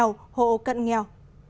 hộ cận nghèo